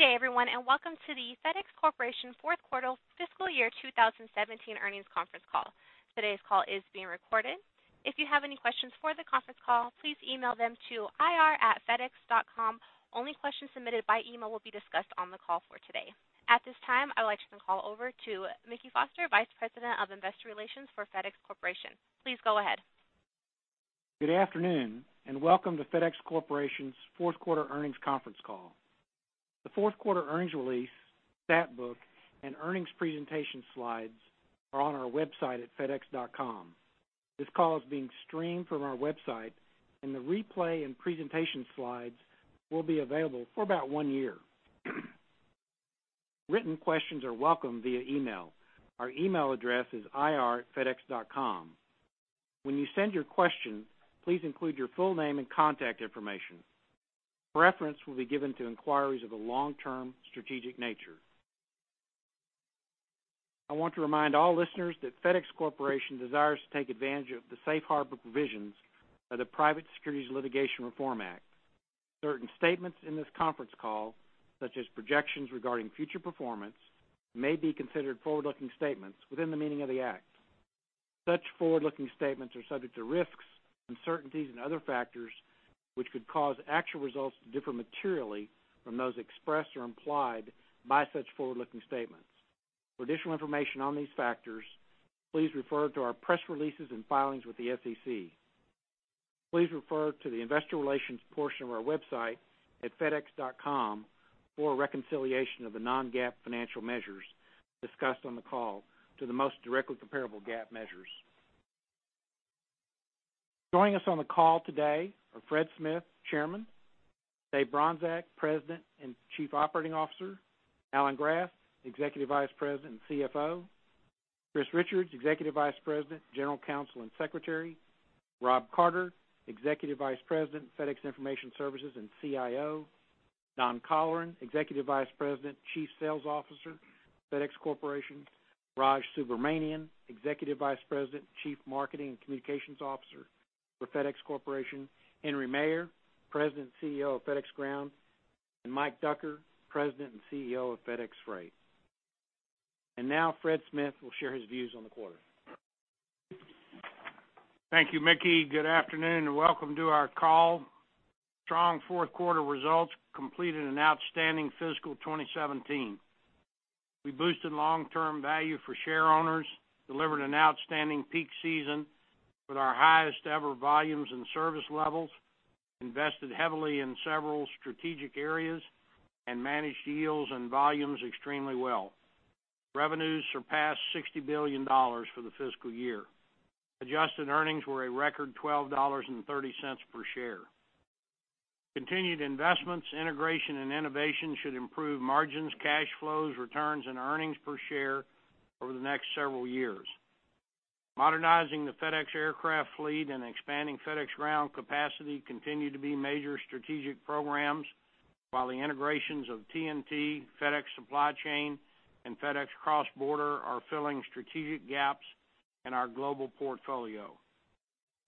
Good day, everyone, and welcome to the FedEx Corporation Fourth Quarter Fiscal Year 2017 Earnings Conference Call. Today's call is being recorded. If you have any questions for the conference call, please email them to ir@fedex.com. Only questions submitted by email will be discussed on the call for today. At this time, I would like to turn the call over to Mickey Foster, Vice President of Investor Relations for FedEx Corporation. Please go ahead. Good afternoon, and welcome to FedEx Corporation's fourth quarter earnings conference call. The fourth quarter earnings release, stat book, and earnings presentation slides are on our website at fedex.com. This call is being streamed from our website, and the replay and presentation slides will be available for about one year. Written questions are welcome via email. Our email address is ir@fedex.com. When you send your question, please include your full name and contact information. Reference will be given to inquiries of a long-term strategic nature. I want to remind all listeners that FedEx Corporation desires to take advantage of the safe harbor provisions of the Private Securities Litigation Reform Act. Certain statements in this conference call, such as projections regarding future performance, may be considered forward-looking statements within the meaning of the Act. Such forward-looking statements are subject to risks, uncertainties, and other factors which could cause actual results to differ materially from those expressed or implied by such forward-looking statements. For additional information on these factors, please refer to our press releases and filings with the SEC. Please refer to the investor relations portion of our website at fedex.com for a reconciliation of the non-GAAP financial measures discussed on the call to the most directly comparable GAAP measures. Joining us on the call today are Fred Smith, Chairman, Dave Bronczek, President and Chief Operating Officer, Alan Graf, Executive Vice President and CFO, Chris Richards, Executive Vice President, General Counsel, and Secretary, Rob Carter, Executive Vice President, FedEx Information Services, and CIO, Don Colleran, Executive Vice President, Chief Sales Officer, FedEx Corporation, Raj Subramaniam, Executive Vice President and Chief Marketing and Communications Officer for FedEx Corporation, Henry Maier, President and CEO of FedEx Ground, and Mike Ducker, President and CEO of FedEx Freight. Now Fred Smith will share his views on the quarter. Thank you, Mickey. Good afternoon, and welcome to our call. Strong fourth quarter results completed an outstanding fiscal 2017. We boosted long-term value for shareowners, delivered an outstanding peak season with our highest ever volumes and service levels, invested heavily in several strategic areas, and managed yields and volumes extremely well. Revenues surpassed $60 billion for the fiscal year. Adjusted earnings were a record $12.30 per share. Continued investments, integration, and innovation should improve margins, cash flows, returns, and earnings per share over the next several years. Modernizing the FedEx aircraft fleet and expanding FedEx Ground capacity continue to be major strategic programs, while the integrations of TNT, FedEx Supply Chain, and FedEx Cross Border are filling strategic gaps in our global portfolio.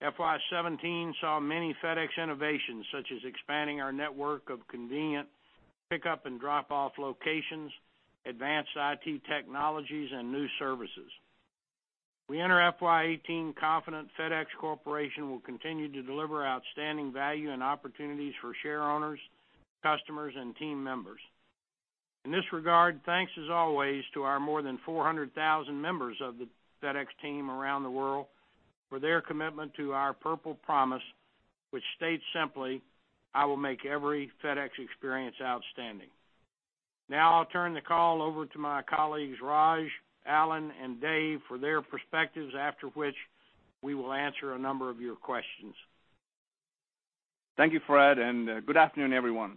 FY 2017 saw many FedEx innovations, such as expanding our network of convenient pickup and drop-off locations, advanced IT technologies, and new services. We enter FY 2018 confident FedEx Corporation will continue to deliver outstanding value and opportunities for shareowners, customers, and team members. In this regard, thanks as always to our more than 400,000 members of the FedEx team around the world for their commitment to our Purple Promise, which states simply, "I will make every FedEx experience outstanding." Now I'll turn the call over to my colleagues, Raj, Alan, and Dave, for their perspectives, after which we will answer a number of your questions. Thank you, Fred, and good afternoon, everyone.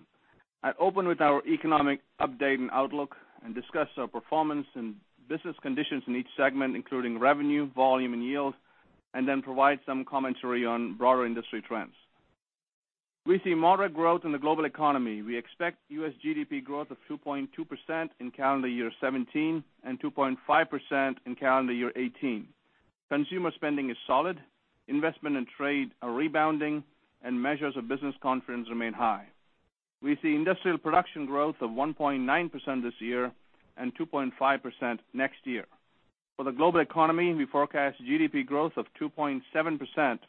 I open with our economic update and outlook and discuss our performance and business conditions in each segment, including revenue, volume, and yield, and then provide some commentary on broader industry trends. We see moderate growth in the global economy. We expect U.S. GDP growth of 2.2% in calendar year 2017 and 2.5% in calendar year 2018. Consumer spending is solid, investment and trade are rebounding, and measures of business confidence remain high. We see industrial production growth of 1.9% this year and 2.5% next year. For the global economy, we forecast GDP growth of 2.7%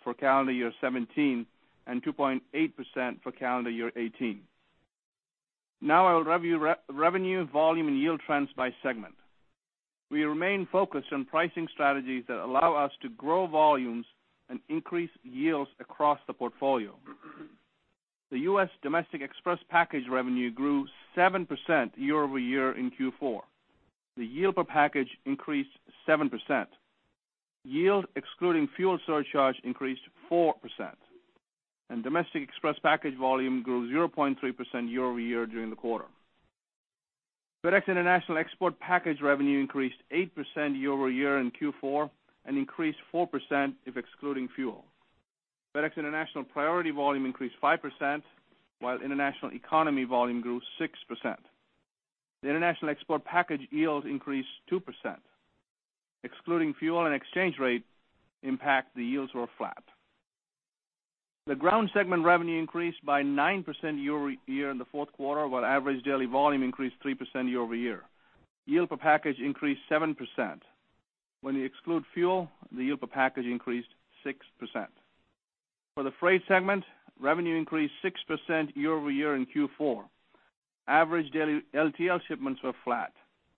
for calendar year 2017 and 2.8% for calendar year 2018. Now I will review revenue, volume, and yield trends by segment. We remain focused on pricing strategies that allow us to grow volumes and increase yields across the portfolio. The U.S. domestic Express package revenue grew 7% year-over-year in Q4. The yield per package increased 7%. Yield, excluding fuel surcharge, increased 4%, and domestic Express package volume grew 0.3% year-over-year during the quarter. FedEx International Export package revenue increased 8% year-over-year in Q4 and increased 4% if excluding fuel. FedEx International Priority volume increased 5%, while International Economy volume grew 6%. The International Export package yields increased 2%. Excluding fuel and exchange rate impact, the yields were flat. The Ground segment revenue increased by 9% year-over-year in the fourth quarter, while average daily volume increased 3% year-over-year. Yield per package increased 7%. When you exclude fuel, the yield per package increased 6%. For the Freight segment, revenue increased 6% year-over-year in Q4. Average daily LTL shipments were flat,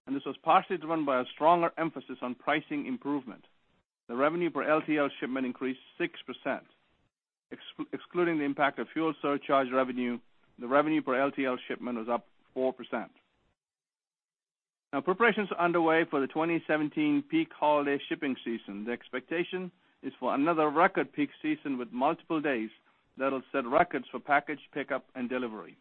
and this was partially driven by a stronger emphasis on pricing improvement. The revenue per LTL shipment increased 6%. Excluding the impact of fuel surcharge revenue, the revenue per LTL shipment was up 4%. Now preparations are underway for the 2017 peak holiday shipping season. The expectation is for another record peak season with multiple days that'll set records for package pickup and delivery.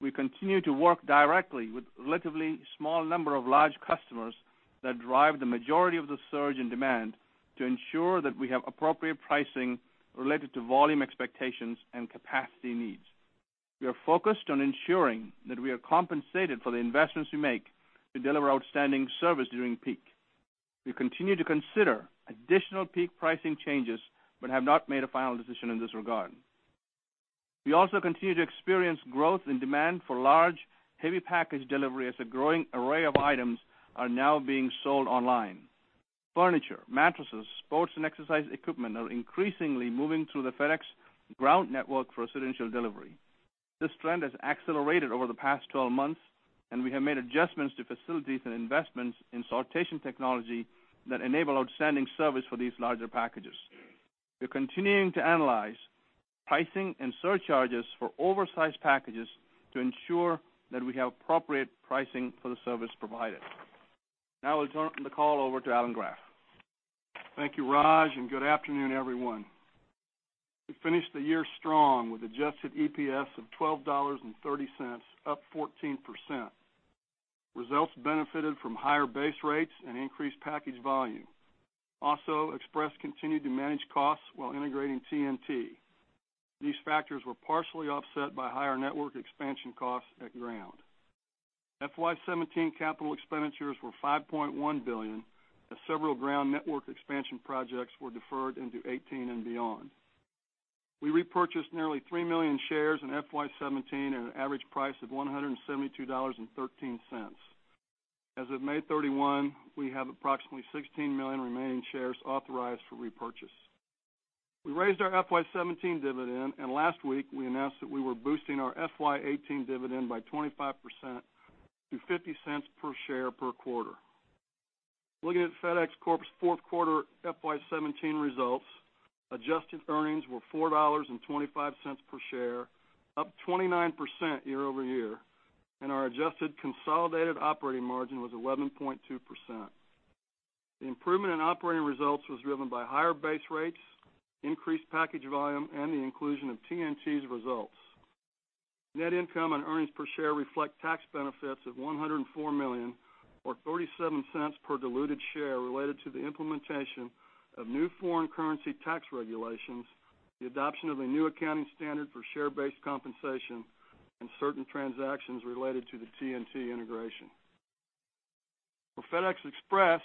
We continue to work directly with a relatively small number of large customers that drive the majority of the surge in demand to ensure that we have appropriate pricing related to volume expectations and capacity needs. We are focused on ensuring that we are compensated for the investments we make to deliver outstanding service during peak. We continue to consider additional peak pricing changes, but have not made a final decision in this regard. We also continue to experience growth in demand for large, heavy package delivery as a growing array of items are now being sold online. Furniture, mattresses, sports and exercise equipment are increasingly moving through the FedEx Ground network for residential delivery. This trend has accelerated over the past 12 months, and we have made adjustments to facilities and investments in sortation technology that enable outstanding service for these larger packages. We're continuing to analyze pricing and surcharges for oversized packages to ensure that we have appropriate pricing for the service provided. Now I'll turn the call over to Alan Graf. Thank you, Raj, and good afternoon, everyone. We finished the year strong with adjusted EPS of $12.30, up 14%. Results benefited from higher base rates and increased package volume. Also, Express continued to manage costs while integrating TNT. These factors were partially offset by higher network expansion costs at Ground. FY 2017 capital expenditures were $5.1 billion, as several Ground network expansion projects were deferred into 2018 and beyond. We repurchased nearly $3 million shares in FY 2017 at an average price of $172.13. As of May 31, we have approximately $16 million remaining shares authorized for repurchase. We raised our FY 2017 dividend, and last week, we announced that we were boosting our FY 2018 dividend by 25% to $0.50 per share per quarter. Looking at FedEx Corp's fourth quarter FY 2017 results, adjusted earnings were $4.25 per share, up 29% year-over-year, and our adjusted consolidated operating margin was 11.2%. The improvement in operating results was driven by higher base rates, increased package volume, and the inclusion of TNT's results. Net income and earnings per share reflect tax benefits of $104 million, or $0.37 per diluted share, related to the implementation of new foreign currency tax regulations, the adoption of a new accounting standard for share-based compensation, and certain transactions related to the TNT integration. For FedEx Express,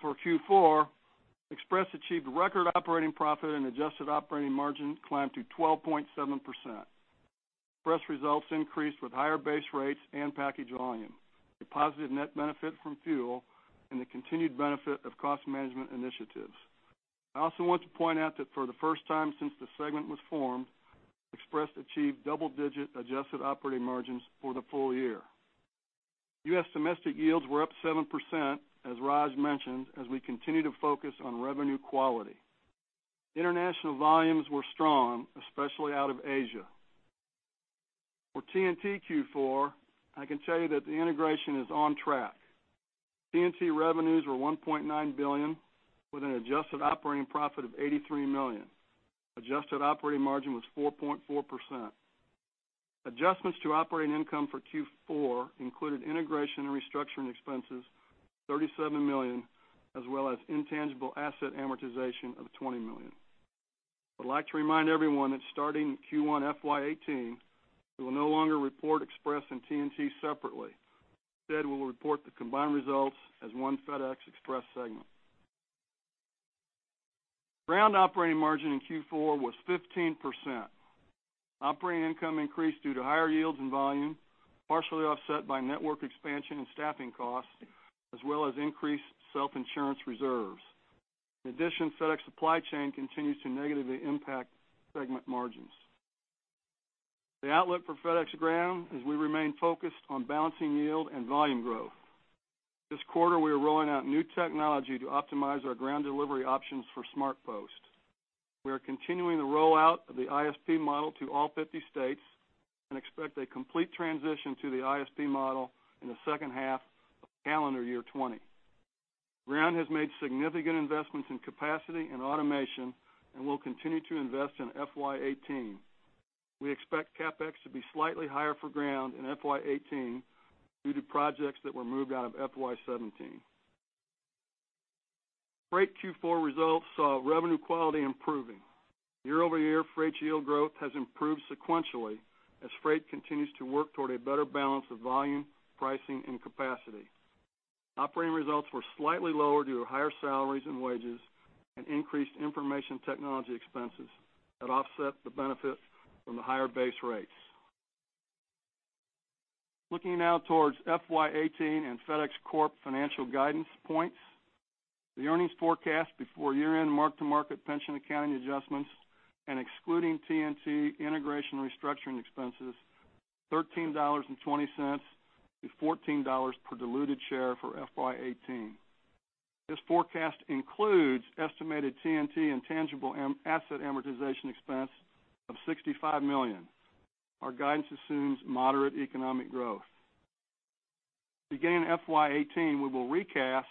for Q4, Express achieved record operating profit and adjusted operating margin climbed to 12.7%. Express results increased with higher base rates and package volume, a positive net benefit from fuel, and the continued benefit of cost management initiatives. I also want to point out that for the first time since the segment was formed, Express achieved double-digit adjusted operating margins for the full year. U.S. domestic yields were up 7%, as Raj mentioned, as we continue to focus on revenue quality. International volumes were strong, especially out of Asia. For TNT Q4, I can tell you that the integration is on track. TNT revenues were $1.9 billion, with an adjusted operating profit of $83 million. Adjusted operating margin was 4.4%. Adjustments to operating income for Q4 included integration and restructuring expenses, $37 million, as well as intangible asset amortization of $20 million. I'd like to remind everyone that starting Q1 FY 2018, we will no longer report Express and TNT separately. Instead, we will report the combined results as one FedEx Express segment. Ground operating margin in Q4 was 15%. Operating income increased due to higher yields and volume, partially offset by network expansion and staffing costs, as well as increased self-insurance reserves. In addition, FedEx Supply Chain continues to negatively impact segment margins. The outlook for FedEx Ground is we remain focused on balancing yield and volume growth. This quarter, we are rolling out new technology to optimize our Ground delivery options for SmartPost. We are continuing the rollout of the ISP model to all 50 states and expect a complete transition to the ISP model in the second half of calendar year 2020. Ground has made significant investments in capacity and automation and will continue to invest in FY 2018. We expect CapEx to be slightly higher for Ground in FY 2018 due to projects that were moved out of FY 2017. Freight Q4 results saw revenue quality improving. Year-over-year, Freight yield growth has improved sequentially as Freight continues to work toward a better balance of volume, pricing, and capacity. Operating results were slightly lower due to higher salaries and wages and increased information technology expenses that offset the benefit from the higher base rates. Looking now towards FY 2018 and FedEx Corp financial guidance points, the earnings forecast before year-end mark-to-market pension accounting adjustments and excluding TNT integration restructuring expenses, $13.20-$14 per diluted share for FY 2018. This forecast includes estimated TNT and tangible asset amortization expense of $65 million. Our guidance assumes moderate economic growth. Beginning in FY 2018, we will recast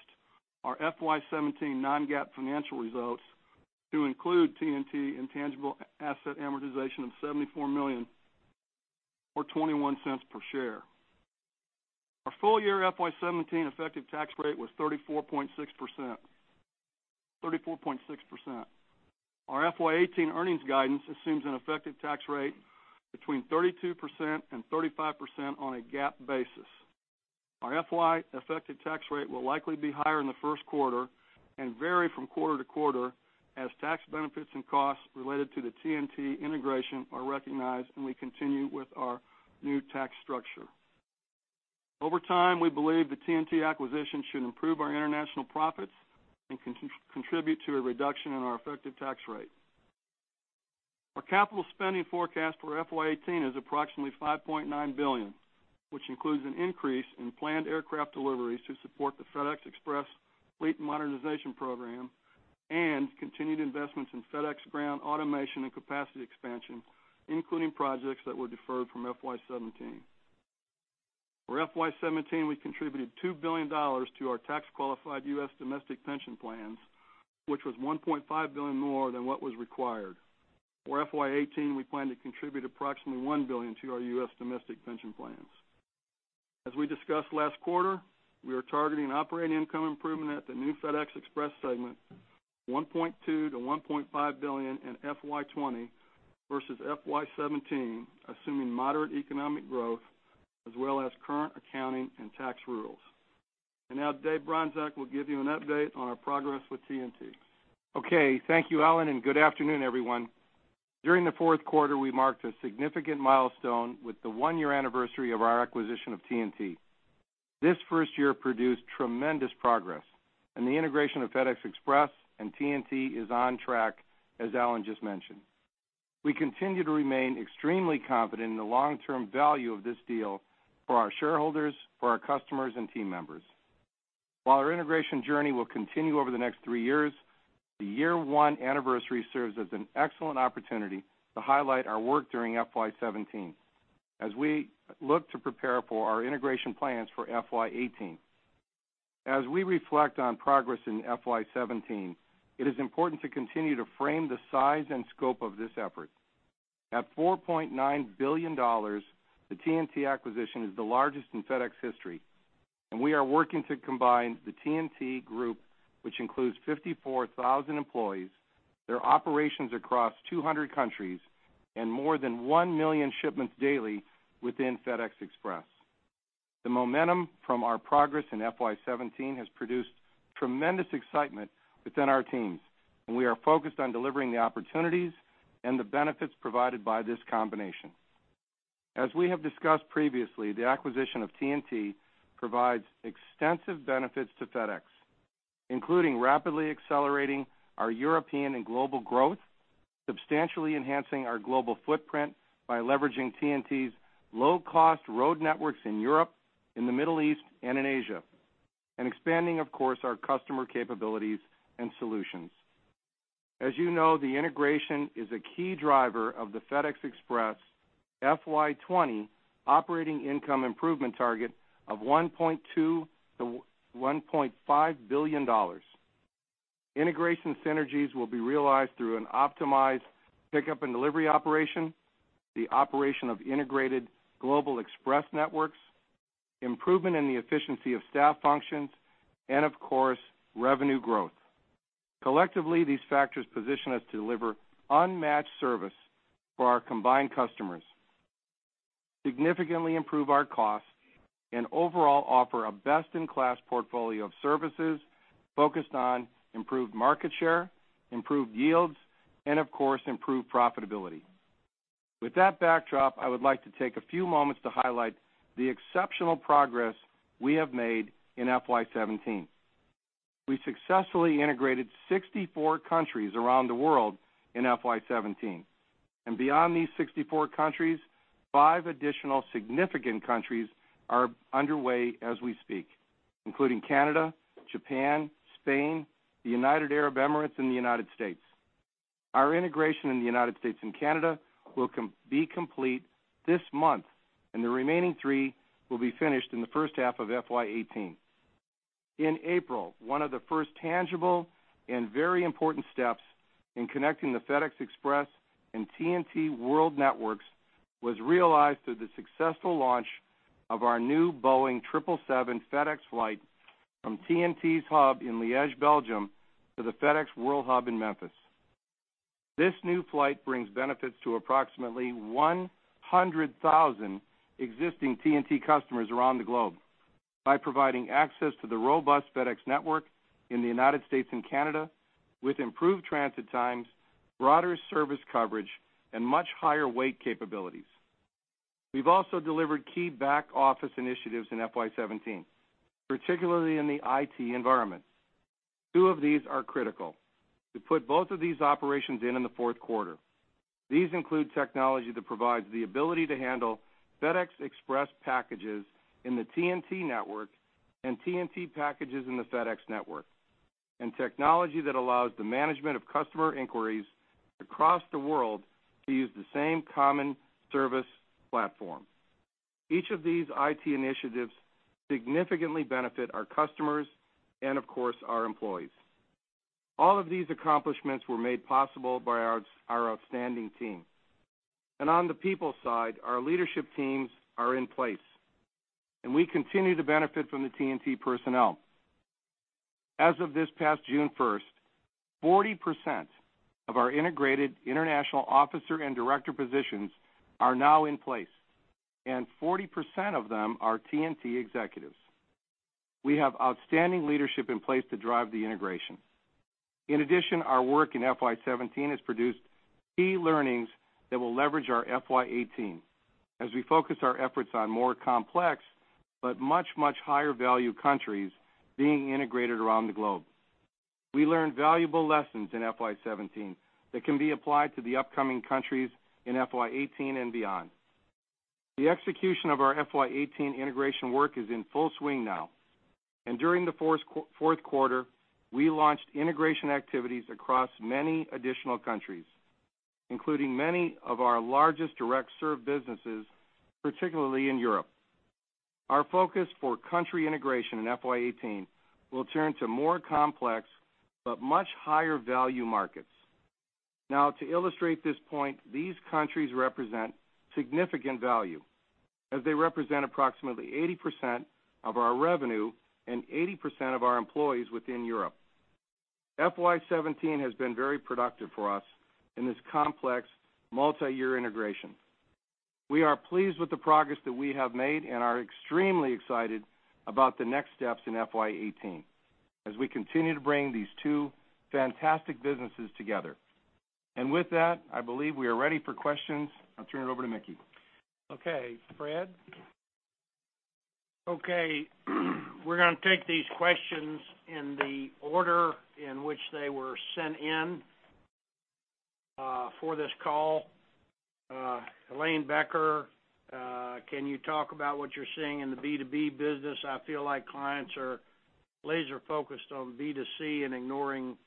our FY 2017 non-GAAP financial results to include TNT intangible asset amortization of $74 million, or $0.21 per share. Our full year FY 2017 effective tax rate was 34.6%. 34.6%. Our FY 2018 earnings guidance assumes an effective tax rate between 32% and 35% on a GAAP basis. Our FY effective tax rate will likely be higher in the first quarter and vary from quarter to quarter as tax benefits and costs related to the TNT integration are recognized, and we continue with our new tax structure. Over time, we believe the TNT acquisition should improve our international profits and contribute to a reduction in our effective tax rate. Our capital spending forecast for FY 2018 is approximately $5.9 billion, which includes an increase in planned aircraft deliveries to support the FedEx Express fleet modernization program and continued investments in FedEx Ground automation and capacity expansion, including projects that were deferred from FY 2017. For FY 2017, we contributed $2 billion to our tax-qualified U.S. domestic pension plans, which was $1.5 billion more than what was required. For FY 2018, we plan to contribute approximately $1 billion to our U.S. domestic pension plans. As we discussed last quarter, we are targeting operating income improvement at the new FedEx Express segment, $1.2 billion-$1.5 billion in FY 2020 versus FY 2017, assuming moderate economic growth as well as current accounting and tax rules. Now Dave Bronczek will give you an update on our progress with TNT. Okay, thank you, Alan, and good afternoon, everyone. During the fourth quarter, we marked a significant milestone with the one-year anniversary of our acquisition of TNT. This first year produced tremendous progress, and the integration of FedEx Express and TNT is on track, as Alan just mentioned. We continue to remain extremely confident in the long-term value of this deal for our shareholders, for our customers, and team members. While our integration journey will continue over the next three years, the year one anniversary serves as an excellent opportunity to highlight our work during FY 2017 as we look to prepare for our integration plans for FY 2018. As we reflect on progress in FY 2017, it is important to continue to frame the size and scope of this effort. At $4.9 billion, the TNT acquisition is the largest in FedEx history, and we are working to combine the TNT Group, which includes 54,000 employees, their operations across 200 countries, and more than 1 million shipments daily within FedEx Express. The momentum from our progress in FY 2017 has produced tremendous excitement within our teams, and we are focused on delivering the opportunities and the benefits provided by this combination. As we have discussed previously, the acquisition of TNT provides extensive benefits to FedEx, including rapidly accelerating our European and global growth, substantially enhancing our global footprint by leveraging TNT's low-cost road networks in Europe, in the Middle East, and in Asia, and expanding, of course, our customer capabilities and solutions. As you know, the integration is a key driver of the FedEx Express FY 2020 operating income improvement target of $1.2 billion-$1.5 billion. Integration synergies will be realized through an optimized pickup and delivery operation, the operation of integrated global express networks, improvement in the efficiency of staff functions, and of course, revenue growth. Collectively, these factors position us to deliver unmatched service for our combined customers, significantly improve our costs, and overall offer a best-in-class portfolio of services focused on improved market share, improved yields, and of course, improved profitability. With that backdrop, I would like to take a few moments to highlight the exceptional progress we have made in FY 2017. We successfully integrated 64 countries around the world in FY 2017, and beyond these 64 countries, five additional significant countries are underway as we speak, including Canada, Japan, Spain, the United Arab Emirates, and the United States. Our integration in the United States and Canada will be complete this month, and the remaining three will be finished in the first half of FY 2018. In April, one of the first tangible and very important steps in connecting the FedEx Express and TNT world networks was realized through the successful launch of our new Boeing 777 FedEx flight from TNT's hub in Liège, Belgium, to the FedEx World Hub in Memphis. This new flight brings benefits to approximately 100,000 existing TNT customers around the globe by providing access to the robust FedEx network in the United States and Canada, with improved transit times, broader service coverage, and much higher weight capabilities. We've also delivered key back office initiatives in FY 2017, particularly in the IT environment. Two of these are critical. We put both of these operations in, in the fourth quarter. These include technology that provides the ability to handle FedEx Express packages in the TNT network and TNT packages in the FedEx network, and technology that allows the management of customer inquiries across the world to use the same common service platform. Each of these IT initiatives significantly benefit our customers and, of course, our employees. All of these accomplishments were made possible by our outstanding team. And on the people side, our leadership teams are in place, and we continue to benefit from the TNT personnel. As of this past June 1st, 40% of our integrated international officer and director positions are now in place, and 40% of them are TNT executives. We have outstanding leadership in place to drive the integration. In addition, our work in FY 2017 has produced key learnings that will leverage our FY 2018, as we focus our efforts on more complex but much, much higher value countries being integrated around the globe. We learned valuable lessons in FY 2017 that can be applied to the upcoming countries in FY 2018 and beyond. The execution of our FY 2018 integration work is in full swing now, and during the fourth quarter, we launched integration activities across many additional countries, including many of our largest direct serve businesses, particularly in Europe. Our focus for country integration in FY 2018 will turn to more complex but much higher value markets. Now, to illustrate this point, these countries represent significant value, as they represent approximately 80% of our revenue and 80% of our employees within Europe. FY 2017 has been very productive for us in this complex, multiyear integration. We are pleased with the progress that we have made and are extremely excited about the next steps in FY 2018, as we continue to bring these two fantastic businesses together. With that, I believe we are ready for questions. I'll turn it over to Mickey. Okay, Fred? Okay, we're gonna take these questions in the order in which they were sent in, for this call. Helane Becker: Can you talk about what you're seeing in the B2B business? I feel like clients are laser focused on B2C and ignoring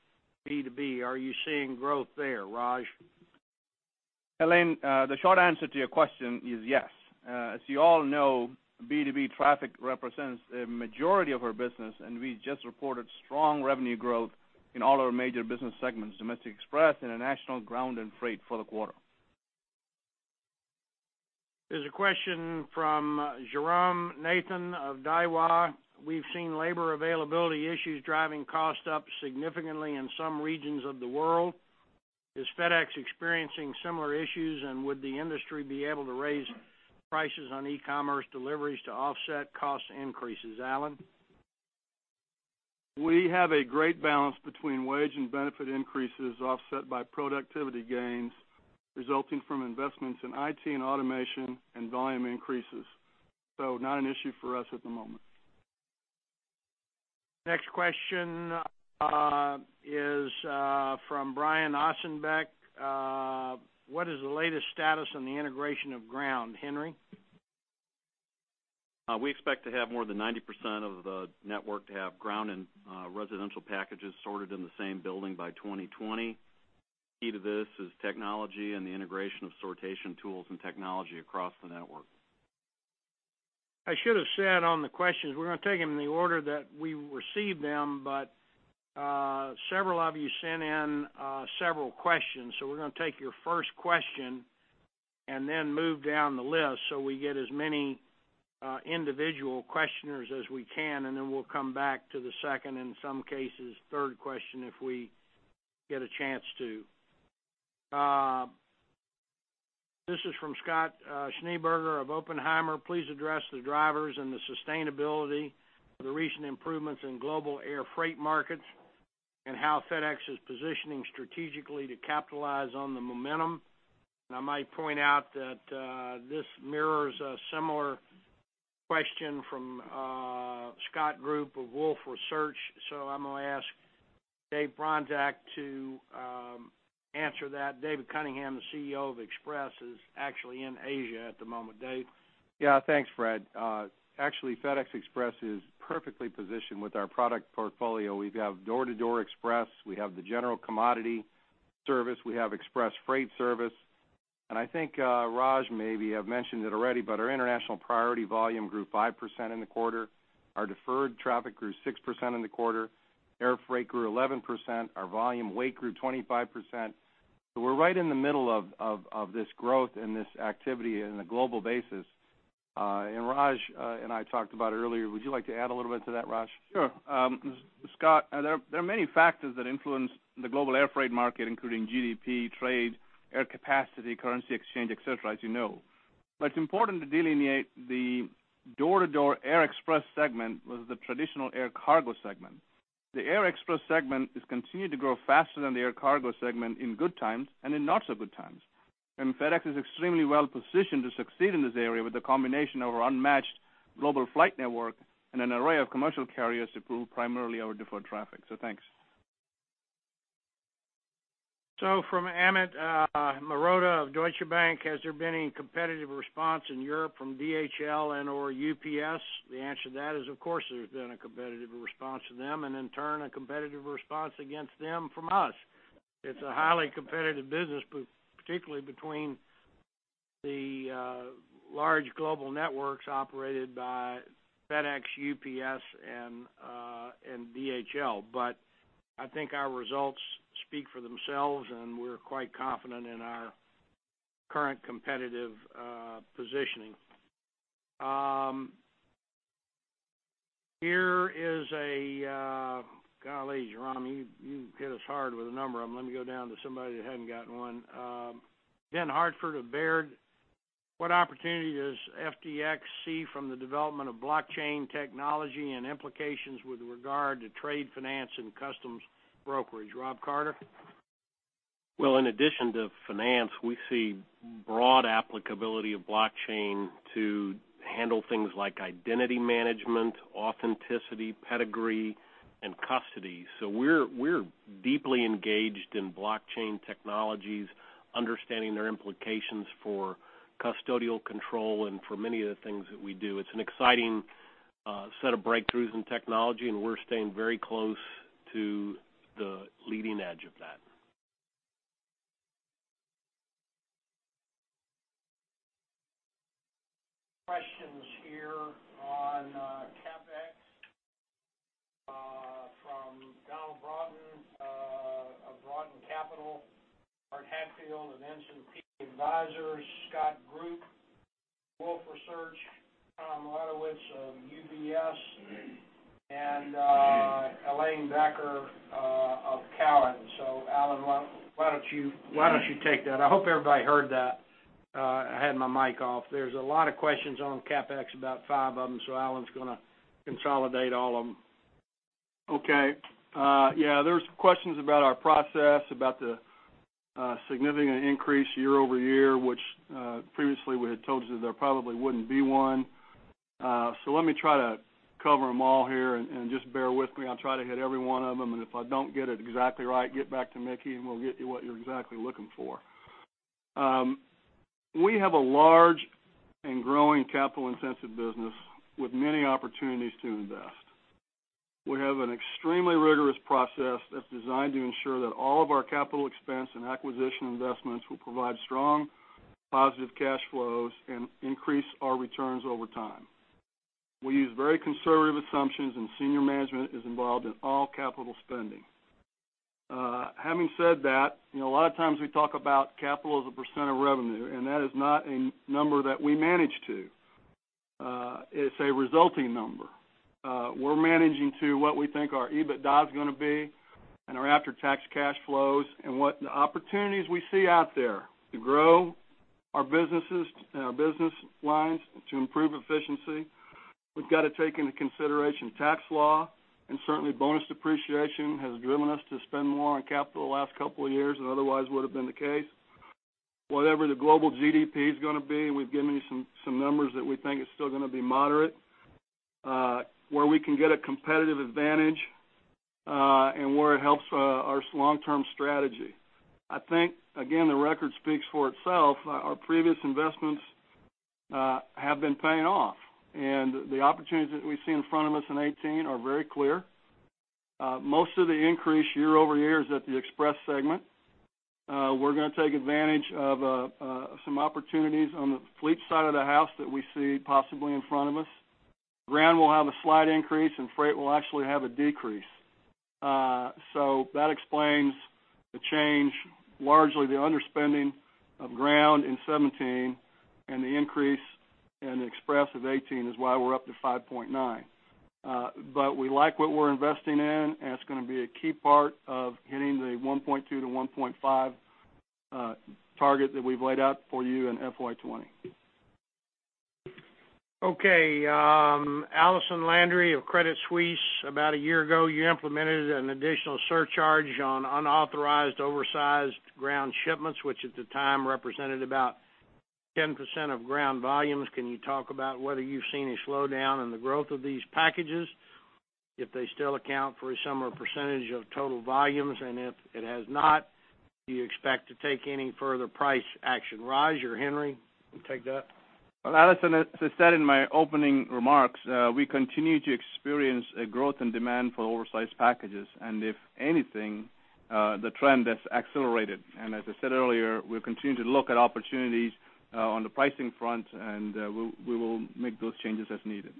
B2B. Are you seeing growth there, Raj? Helane, the short answer to your question is yes. As you all know, B2B traffic represents the majority of our business, and we just reported strong revenue growth in all our major business segments, Domestic Express and International Ground and Freight for the quarter. There's a question from Jairam Nathan of Daiwa: We've seen labor availability issues driving costs up significantly in some regions of the world. Is FedEx experiencing similar issues, and would the industry be able to raise prices on e-commerce deliveries to offset cost increases, Alan? We have a great balance between wage and benefit increases, offset by productivity gains resulting from investments in IT and automation and volume increases. So not an issue for us at the moment. Next question is from Brian Ossenbeck: What is the latest status on the integration of Ground, Henry? We expect to have more than 90% of the network to have Ground and residential packages sorted in the same building by 2020. Key to this is technology and the integration of sortation tools and technology across the network. I should have said on the questions, we're gonna take them in the order that we received them, but several of you sent in several questions. So we're gonna take your first question and then move down the list so we get as many individual questioners as we can, and then we'll come back to the second, and in some cases, third question, if we get a chance to. This is from Scott Schneeberger of Oppenheimer: Please address the drivers and the sustainability of the recent improvements in global air freight markets and how FedEx is positioning strategically to capitalize on the momentum. And I might point out that this mirrors a similar question from Scott Group of Wolfe Research, so I'm gonna ask Dave Bronczek to answer that. David Cunningham, the CEO of Express, is actually in Asia at the moment. Dave? Yeah, thanks, Fred. Actually, FedEx Express is perfectly positioned with our product portfolio. We have door-to-door express, we have the general commodity service, we have express freight service, and I think, Raj, maybe have mentioned it already, but our international priority volume grew 5% in the quarter. Our deferred traffic grew 6% in the quarter. Air freight grew 11%. Our volume weight grew 25%. So we're right in the middle of, of, of this growth and this activity in a global basis. And Raj and I talked about it earlier. Would you like to add a little bit to that, Raj? Sure. Scott, there are many factors that influence the global airfreight market, including GDP, trade, air capacity, currency exchange, etc, as you know. But it's important to delineate the door-to-door air express segment with the traditional air cargo segment. The air express segment has continued to grow faster than the air cargo segment in good times and in not so good times. And FedEx is extremely well positioned to succeed in this area with a combination of our unmatched global flight network and an array of commercial carriers to move primarily our deferred traffic. So thanks. So from Amit Mehrotra of Deutsche Bank: Has there been any competitive response in Europe from DHL and/or UPS? The answer to that is, of course, there's been a competitive response to them, and in turn, a competitive response against them from us. It's a highly competitive business, but particularly between the large global networks operated by FedEx, UPS, and DHL. But I think our results speak for themselves, and we're quite confident in our current competitive positioning. Here is a... Golly, Jairam, you hit us hard with a number of them. Let me go down to somebody that hadn't gotten one. Ben Hartford of Baird, what opportunity does FDX see from the development of blockchain technology and implications with regard to trade finance and customs brokerage? Rob Carter? Well, in addition to finance, we see broad applicability of blockchain to handle things like identity management, authenticity, pedigree, and custody. So we're deeply engaged in blockchain technologies, understanding their implications for custodial control and for many of the things that we do. It's an exciting set of breakthroughs in technology, and we're staying very close to the leading edge of that. Questions here on CapEx from Donald Broughton of Broughton Capital, Art Hatfield of Peak Advisors, Scott Group of Wolfe Research, Thomas Wadewitz of UBS, and Helane Becker of Cowen. So, Alan, why don't you take that? I hope everybody heard that. I had my mic off. There's a lot of questions on CapEx, about five of them, so Alan's gonna consolidate all of them. Okay. Yeah, there's questions about our process, about the significant increase year-over-year, which previously we had told you that there probably wouldn't be one. So let me try to cover them all here and, and just bear with me. I'll try to hit every one of them, and if I don't get it exactly right, get back to Mickey, and we'll get you what you're exactly looking for. We have a large and growing capital-intensive business with many opportunities to invest. We have an extremely rigorous process that's designed to ensure that all of our capital expense and acquisition investments will provide strong, positive cash flows and increase our returns over time. We use very conservative assumptions, and senior management is involved in all capital spending. Having said that, you know, a lot of times we talk about capital as a % of revenue, and that is not a number that we manage to. It's a resulting number. We're managing to what we think our EBITDA is gonna be and our after-tax cash flows and what the opportunities we see out there to grow our businesses and our business lines to improve efficiency. We've got to take into consideration tax law, and certainly, bonus depreciation has driven us to spend more on capital the last couple of years than otherwise would have been the case. Whatever the global GDP is gonna be, we've given you some, some numbers that we think is still gonna be moderate, where we can get a competitive advantage, and where it helps, our long-term strategy. I think, again, the record speaks for itself. Our previous investments have been paying off, and the opportunities that we see in front of us in 2018 are very clear. Most of the increase year-over-year is at the Express segment. We're gonna take advantage of some opportunities on the fleet side of the house that we see possibly in front of us. Ground will have a slight increase, and Freight will actually have a decrease. So that explains the change, largely the underspending of Ground in 2017 and the increase in Express of 2018 is why we're up to $5.9. But we like what we're investing in, and it's gonna be a key part of hitting the $1.2-$1.5 target that we've laid out for you in FY 2020. Okay, Allison Landry of Credit Suisse, about a year ago, you implemented an additional surcharge on unauthorized, oversized ground shipments, which at the time represented about 10% of ground volumes. Can you talk about whether you've seen a slowdown in the growth of these packages, if they still account for a similar percentage of total volumes, and if it has not, do you expect to take any further price action? Raj or Henry, want to take that? Well, Allison, as I said in my opening remarks, we continue to experience a growth and demand for oversized packages, and if anything, the trend has accelerated. As I said earlier, we'll continue to look at opportunities on the pricing front, and we will make those changes as needed.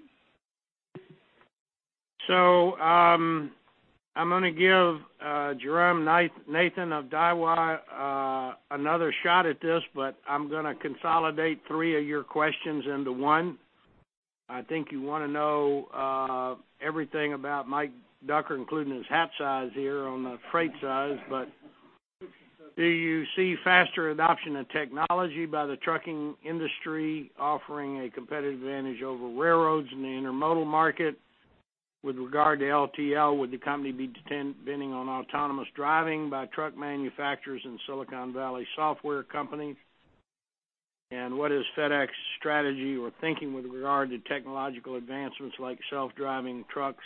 So, I'm going to give Jairam Nathan of Daiwa another shot at this, but I'm going to consolidate three of your questions into one. I think you want to know everything about Mike Ducker, including his hat size here on the Freight side. But do you see faster adoption of technology by the trucking industry offering a competitive advantage over railroads in the intermodal market? With regard to LTL, would the company be depending on autonomous driving by truck manufacturers and Silicon Valley software companies? And what is FedEx's strategy or thinking with regard to technological advancements like self-driving trucks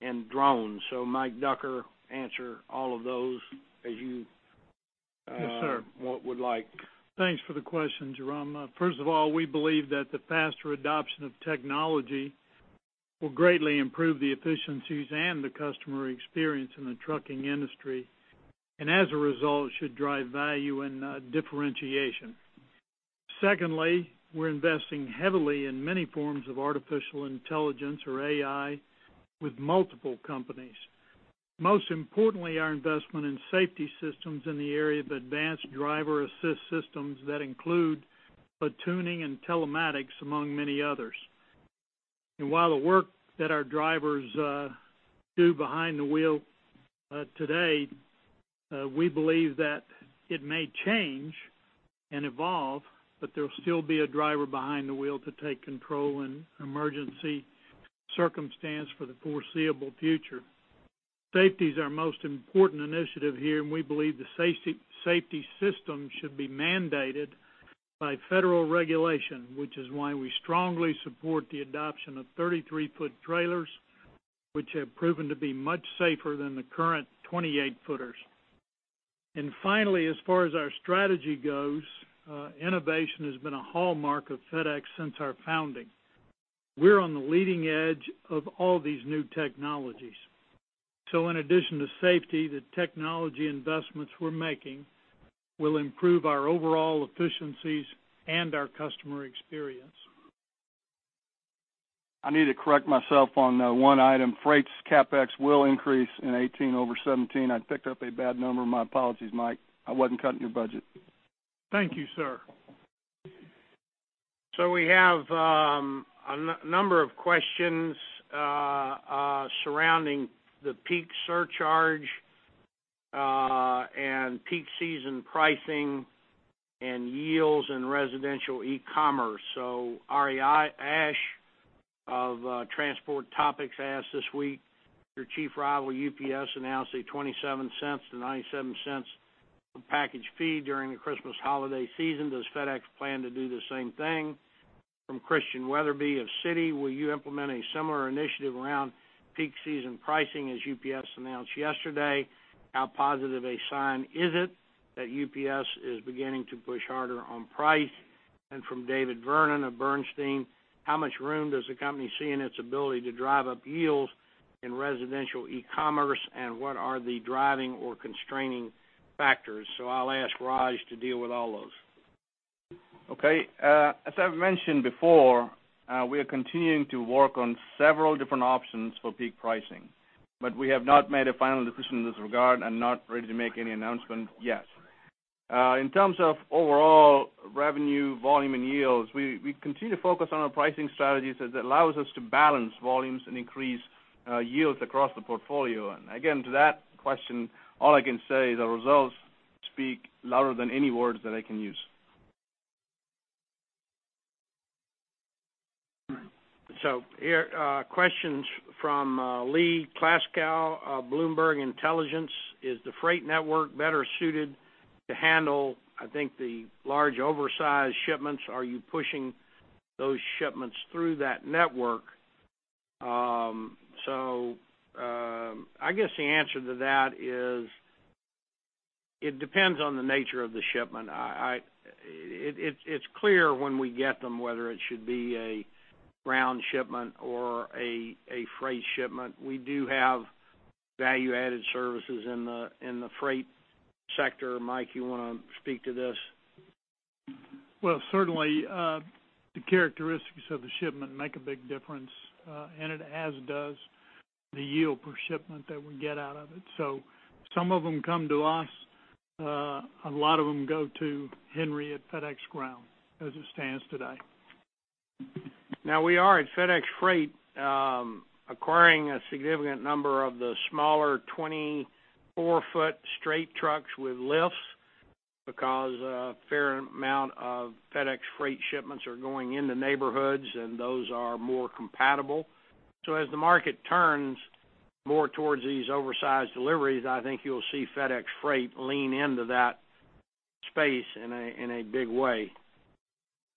and drones? So Mike Ducker, answer all of those as you- Yes, sir. What would like. Thanks for the question, Jairam. First of all, we believe that the faster adoption of technology will greatly improve the efficiencies and the customer experience in the trucking industry, and as a result, should drive value and differentiation. Secondly, we're investing heavily in many forms of artificial intelligence, or AI, with multiple companies. Most importantly, our investment in safety systems in the area of advanced driver assist systems that include platooning and telematics, among many others. And while the work that our drivers do behind the wheel today, we believe that it may change and evolve, but there'll still be a driver behind the wheel to take control in emergency circumstance for the foreseeable future. Safety is our most important initiative here, and we believe the safety system should be mandated by federal regulation, which is why we strongly support the adoption of 33-foot trailers, which have proven to be much safer than the current 28-footers. And finally, as far as our strategy goes, innovation has been a hallmark of FedEx since our founding. We're on the leading edge of all these new technologies. So in addition to safety, the technology investments we're making will improve our overall efficiencies and our customer experience. I need to correct myself on one item. Freight's CapEx will increase in 2018 over 2017. I picked up a bad number. My apologies, Mike. I wasn't cutting your budget. Thank you, sir. So we have a number of questions surrounding the peak surcharge and peak season pricing and yields in residential e-commerce. Ari Ashe of Transport Topics asked this week, "Your chief rival, UPS, announced a $0.27-$0.97 per package fee during the Christmas holiday season. Does FedEx plan to do the same thing?" From Christian Wetherbee of Citi: "Will you implement a similar initiative around peak season pricing, as UPS announced yesterday? How positive a sign is it that UPS is beginning to push harder on price?" And from David Vernon of Bernstein: "How much room does the company see in its ability to drive up yields in residential e-commerce, and what are the driving or constraining factors?" So I'll ask Raj to deal with all those. Okay. As I've mentioned before, we are continuing to work on several different options for peak pricing, but we have not made a final decision in this regard and not ready to make any announcement yet. In terms of overall revenue, volume, and yields, we continue to focus on our pricing strategies as it allows us to balance volumes and increase yields across the portfolio. And again, to that question, all I can say is our results speak louder than any words that I can use. So here, questions from Lee Klaskow of Bloomberg Intelligence: "Is the freight network better suited to handle," I think, "the large, oversized shipments? Are you pushing those shipments through that network?" So, I guess the answer to that is, it depends on the nature of the shipment. It's clear when we get them, whether it should be a ground shipment or a freight shipment. We do have value-added services in the freight sector. Mike, you want to speak to this? Well, certainly, the characteristics of the shipment make a big difference, and as does the yield per shipment that we get out of it. So some of them come to us, a lot of them go to Henry at FedEx Ground, as it stands today. Now, we are at FedEx Freight, acquiring a significant number of the smaller 24-foot straight trucks with lifts, because a fair amount of FedEx Freight shipments are going into neighborhoods, and those are more compatible. So as the market turns more towards these oversized deliveries, I think you'll see FedEx Freight lean into that space in a big way.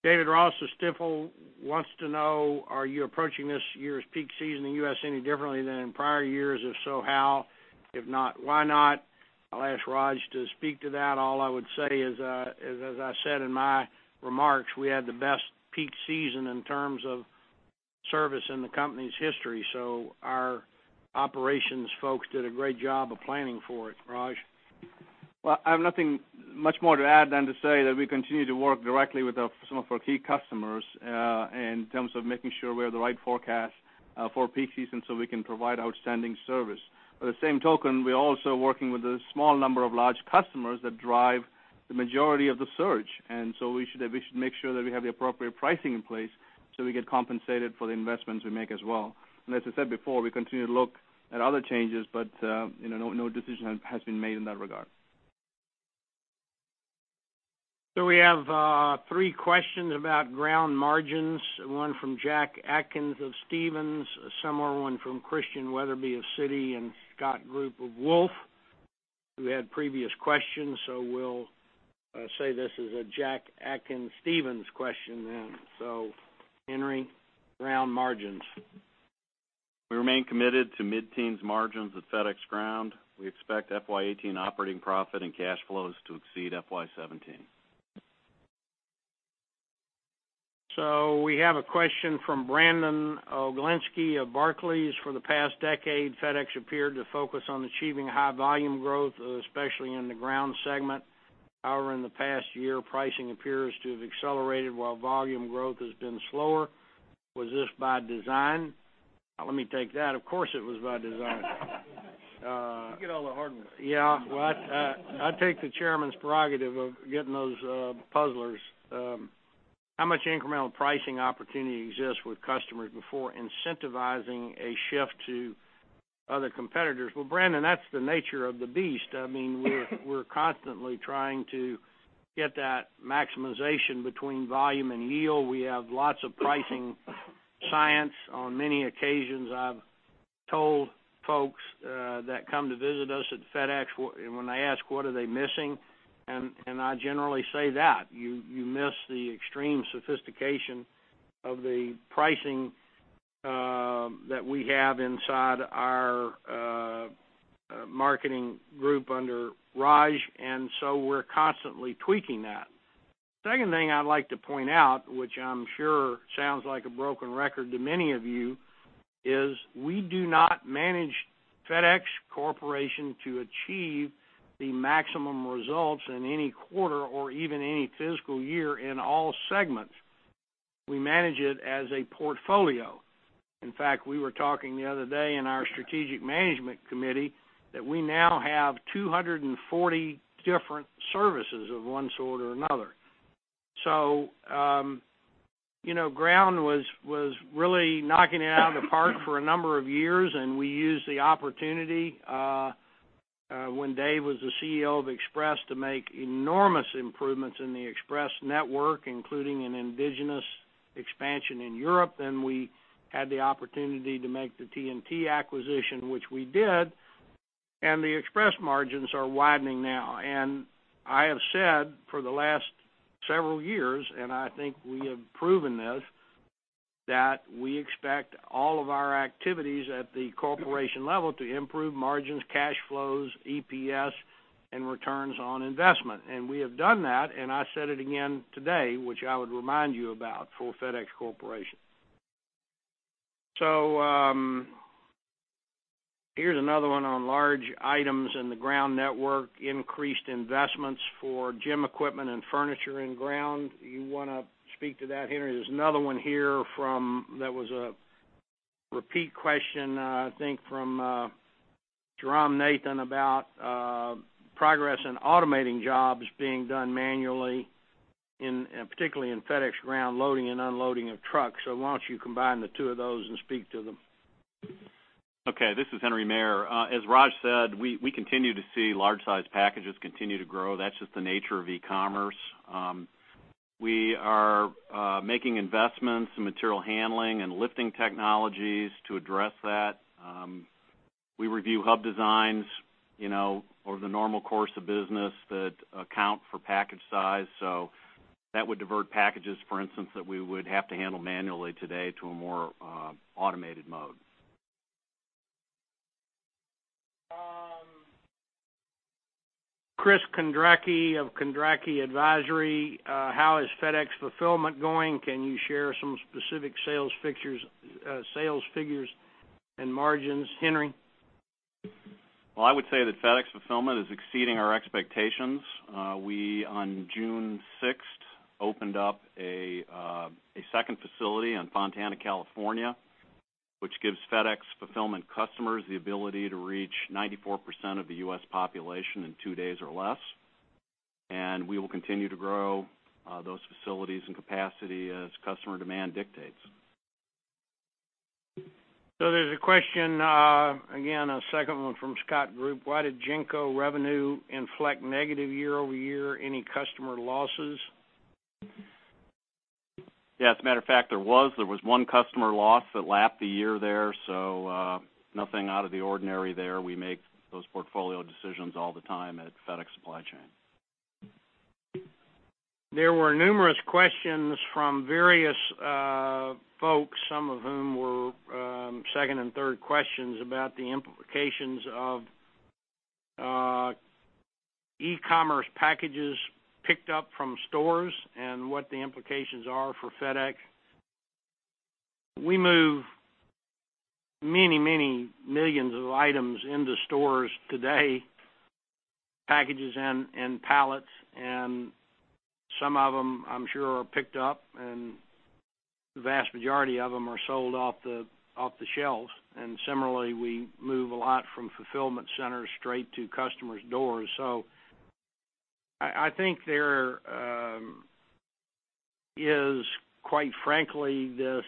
David Ross of Stifel wants to know: "Are you approaching this year's peak season in the U.S. any differently than in prior years? If so, how? If not, why not?" I'll ask Raj to speak to that. All I would say is, as I said in my remarks, we had the best peak season in terms of service in the company's history, so our operations folks did a great job of planning for it. Raj? Well, I have nothing much more to add than to say that we continue to work directly with our, some of our key customers, in terms of making sure we have the right forecast, for peak season, so we can provide outstanding service. By the same token, we're also working with a small number of large customers that drive the majority of the surge, and so we should, we should make sure that we have the appropriate pricing in place, so we get compensated for the investments we make as well. And as I said before, we continue to look at other changes, but, you know, no, no decision has, has been made in that regard. So we have three questions about ground margins, one from Jack Atkins of Stephens, a similar one from Christian Wetherbee of Citi, and Scott Group of Wolfe, who had previous questions. So we'll say this is a Jack Atkins, Stephens question then. So Henry, ground margins. We remain committed to mid-teens margins at FedEx Ground. We expect FY 2018 operating profit and cash flows to exceed FY 2017. So we have a question from Brandon Oglenski of Barclays: for the past decade, FedEx appeared to focus on achieving high volume growth, especially in the ground segment. However, in the past year, pricing appears to have accelerated while volume growth has been slower. Was this by design? Let me take that. Of course, it was by design. You get all the hard ones. Yeah, well, I take the chairman's prerogative of getting those puzzlers. How much incremental pricing opportunity exists with customers before incentivizing a shift to other competitors? Well, Brandon, that's the nature of the beast. I mean, we're constantly trying to get that maximization between volume and yield. We have lots of pricing science. On many occasions, I've told folks that come to visit us at FedEx, and when they ask, what are they missing? And I generally say that. You miss the extreme sophistication of the pricing that we have inside our marketing group under Raj, and so we're constantly tweaking that. Second thing I'd like to point out, which I'm sure sounds like a broken record to many of you, is we do not manage FedEx Corporation to achieve the maximum results in any quarter or even any fiscal year in all segments. We manage it as a portfolio. In fact, we were talking the other day in our strategic management committee that we now have 240 different services of one sort or another. So, you know, ground was really knocking it out of the park for a number of years, and we used the opportunity when Dave was the CEO of Express, to make enormous improvements in the Express network, including an indigenous expansion in Europe. Then we had the opportunity to make the TNT acquisition, which we did, and the Express margins are widening now. I have said for the last several years, and I think we have proven this, that we expect all of our activities at the corporation level to improve margins, cash flows, EPS, and returns on investment. And we have done that, and I said it again today, which I would remind you about for FedEx Corporation. So, here's another one on large items in the ground network, increased investments for gym equipment and furniture in Ground. You wanna speak to that, Henry? There's another one here from... that was a repeat question, I think, from, Jairam Nathan, about, progress in automating jobs being done manually, in, particularly in FedEx Ground, loading and unloading of trucks. So why don't you combine the two of those and speak to them? Okay, this is Henry Maier. As Raj said, we continue to see large-sized packages continue to grow. That's just the nature of e-commerce. We are making investments in material handling and lifting technologies to address that. We review hub designs, you know, over the normal course of business that account for package size, so that would divert packages, for instance, that we would have to handle manually today to a more automated mode. Chris Kondracki of Kondracki Advisory: How is FedEx Fulfillment going? Can you share some specific sales figures and margins? Henry? Well, I would say that FedEx Fulfillment is exceeding our expectations. We, on June sixth, opened up a second facility in Fontana, California, which gives FedEx Fulfillment customers the ability to reach 94% of the U.S. population in two days or less. We will continue to grow those facilities and capacity as customer demand dictates. So there's a question, again, a second one from Scott Group. Why did GENCO revenue inflect negative year-over-year? Any customer losses? Yeah, as a matter of fact, there was. There was one customer loss that lapped the year there, so, nothing out of the ordinary there. We make those portfolio decisions all the time at FedEx Supply Chain. There were numerous questions from various folks, some of whom were second and third questions, about the implications of e-commerce packages picked up from stores and what the implications are for FedEx. We move many, many millions of items into stores today, packages and pallets, and some of them, I'm sure, are picked up, and the vast majority of them are sold off the shelves. And similarly, we move a lot from fulfillment centers straight to customers' doors. So I think there is, quite frankly, this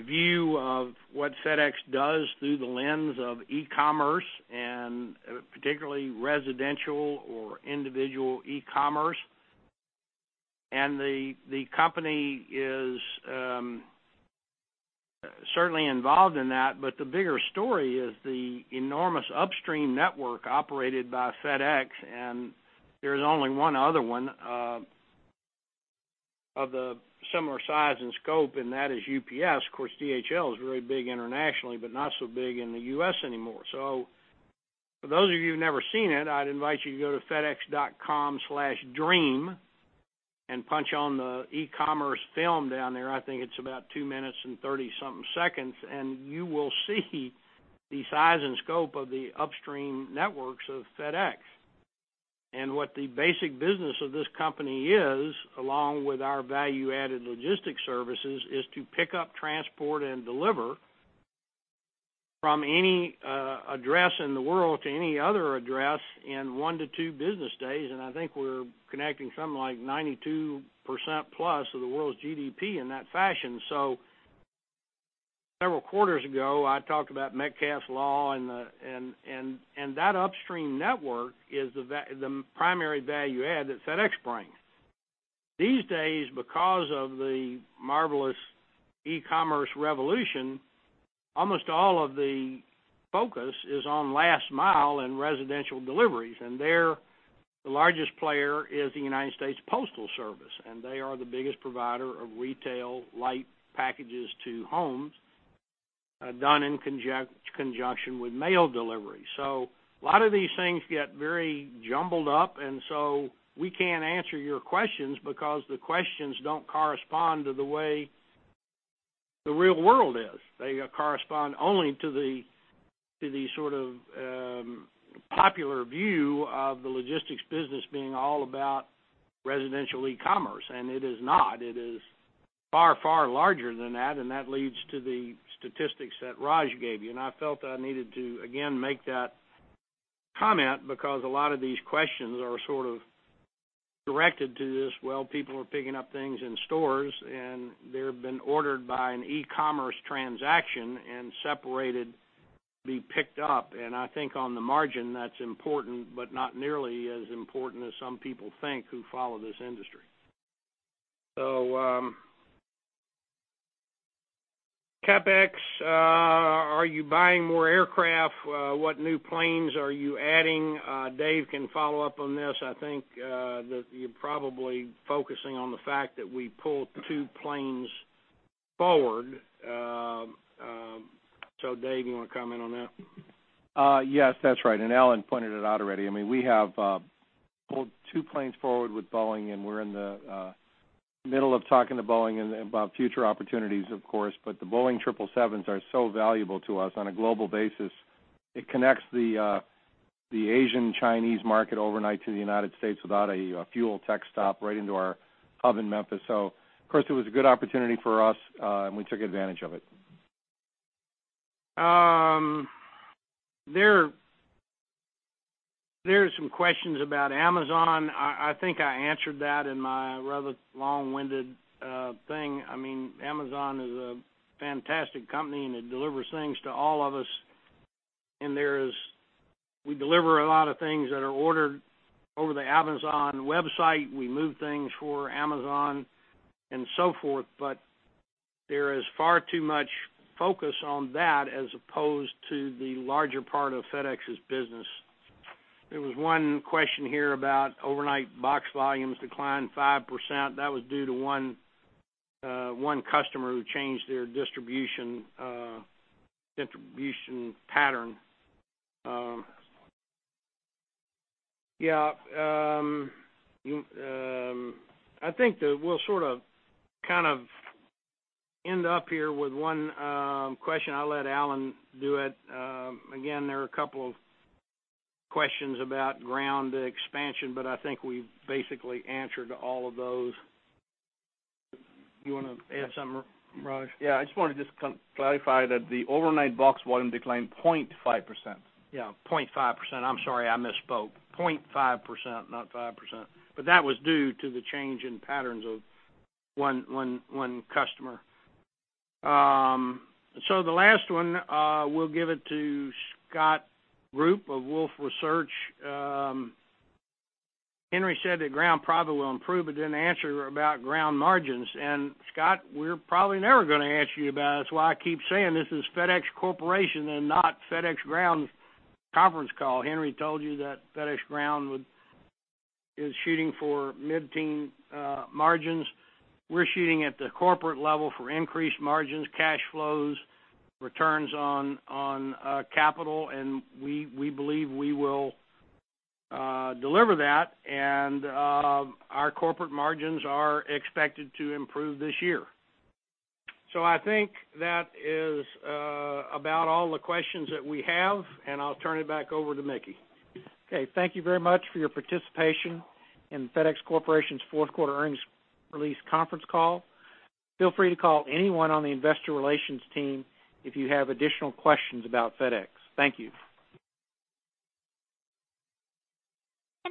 view of what FedEx does through the lens of e-commerce and particularly residential or individual e-commerce. And the company is certainly involved in that, but the bigger story is the enormous upstream network operated by FedEx, and there's only one other one of the similar size and scope, and that is UPS. Of course, DHL is very big internationally, but not so big in the U.S. anymore. So for those of you who've never seen it, I'd invite you to go to fedex.com/dream and punch on the e-commerce film down there. I think it's about 2 minutes and 30-something seconds, and you will see the size and scope of the upstream networks of FedEx. And what the basic business of this company is, along with our value-added logistics services, is to pick up, transport, and deliver from any address in the world to any other address in 1-2 business days. And I think we're connecting something like 92% plus of the world's GDP in that fashion. So several quarters ago, I talked about Metcalfe's Law, and that upstream network is the primary value add that FedEx brings. These days, because of the marvelous e-commerce revolution, almost all of the focus is on last mile and residential deliveries, and there, the largest player is the United States Postal Service, and they are the biggest provider of retail light packages to homes, done in conjunction with mail delivery. So a lot of these things get very jumbled up, and so we can't answer your questions because the questions don't correspond to the way the real world is. They correspond only to the sort of popular view of the logistics business being all about residential e-commerce, and it is not. It is far, far larger than that, and that leads to the statistics that Raj gave you. And I felt I needed to, again, make that comment because a lot of these questions are sort of directed to this. Well, people are picking up things in stores, and they've been ordered by an e-commerce transaction and separated, be picked up. And I think on the margin, that's important, but not nearly as important as some people think who follow this industry. So, CapEx, are you buying more aircraft? What new planes are you adding? Dave can follow up on this. I think that you're probably focusing on the fact that we pulled two planes forward. So Dave, you want to comment on that? Yes, that's right. And Alan pointed it out already. I mean, we have pulled two planes forward with Boeing, and we're in the middle of talking to Boeing and about future opportunities, of course, but the Boeing 777s are so valuable to us on a global basis. It connects the Asian, Chinese market overnight to the United States without a fuel tech stop right into our hub in Memphis. So of course, it was a good opportunity for us, and we took advantage of it. There are some questions about Amazon. I think I answered that in my rather long-winded thing. I mean, Amazon is a fantastic company, and it delivers things to all of us, and there is. We deliver a lot of things that are ordered over the Amazon website. We move things for Amazon and so forth, but there is far too much focus on that as opposed to the larger part of FedEx's business. There was one question here about overnight box volumes declined 5%. That was due to one customer who changed their distribution pattern. Yeah, I think that we'll sort of, kind of end up here with one question. I'll let Alan do it. Again, there are a couple of questions about ground expansion, but I think we've basically answered all of those. You want to add something, Raj? Yeah, I just wanted to just clarify that the overnight box volume declined 0.5%. Yeah, 0.5%. I'm sorry, I misspoke. 0.5%, not 5%. But that was due to the change in patterns of one customer. So the last one, we'll give it to Scott Group of Wolfe Research. Henry said that ground profit will improve, but didn't answer about ground margins. And Scott, we're probably never gonna answer you about it. That's why I keep saying this is FedEx Corporation and not FedEx Ground conference call. Henry told you that FedEx Ground is shooting for mid-teen margins. We're shooting at the corporate level for increased margins, cash flows, returns on capital, and we believe we will deliver that, and our corporate margins are expected to improve this year. I think that is about all the questions that we have, and I'll turn it back over to Mickey. Okay, thank you very much for your participation in FedEx Corporation's fourth quarter earnings release conference call. Feel free to call anyone on the investor relations team if you have additional questions about FedEx. Thank you.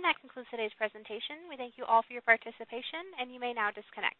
That concludes today's presentation. We thank you all for your participation, and you may now disconnect.